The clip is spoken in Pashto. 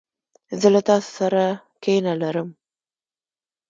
زه له تاسو سره کینه لرم.